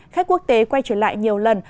khách quốc tế quay trở lại nhiều lần